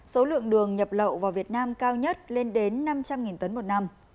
số lượng đường nhập lậu vào việt nam cao nhất lên đến năm trăm linh tấn một năm